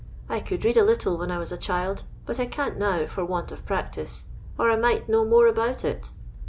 I could read a little when I was a child, but I can't now for want of practice, or I might know more about it.